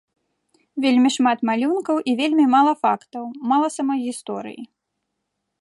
Вельмі шмат малюнкаў і вельмі мала фактаў, мала самой гісторыі.